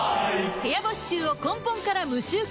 部屋干し臭を根本から無臭化